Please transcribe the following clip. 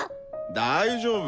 大丈夫！